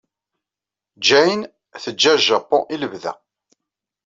Jane teǧǧa Japun i lebda.